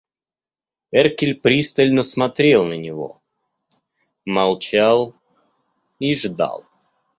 Эркель пристально смотрел на на него, молчал и ждал.